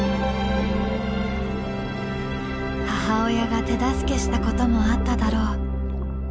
母親が手助けしたこともあっただろう。